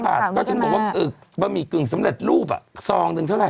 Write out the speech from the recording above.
๕บาทก็คิดผมว่าบะหมี่กึ่งสำเร็จลูบซองนึงเท่าไร